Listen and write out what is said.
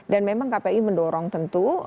dan memang kpi mendorong tentu